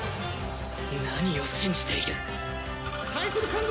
何を信じている対する